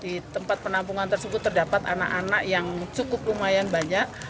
di tempat penampungan tersebut terdapat anak anak yang cukup lumayan banyak